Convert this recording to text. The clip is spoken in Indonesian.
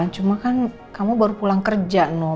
cuma kan kamu baru pulang kerja no